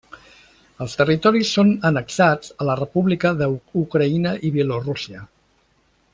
Els territoris són annexats a la república d'Ucraïna i Bielorússia.